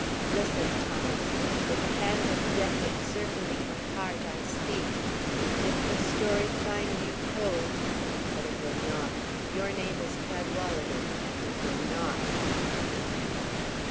Listen, Thomas. With the hand of death encircling my heart, I speak, and if the story find you cold But it will not. Your name is Cadwalader, and it will not."